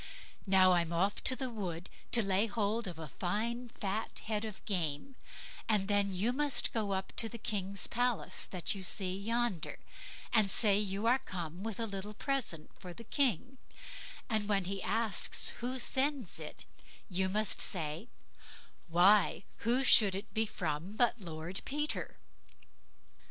Now, I'm off to the wood to lay hold of a fine fat head of game, and then you must go up to the king's palace that you see yonder, and say you are come with a little present for the king; and when he asks who sends it, you must say, 'Why, who should it be from but Lord Peter.